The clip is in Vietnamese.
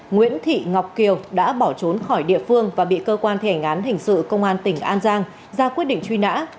nguyễn thị ngọc kiều đã bỏ trốn khỏi địa phương và bị cơ quan thể ngán hình sự công an tỉnh an giang ra quyết định truy nã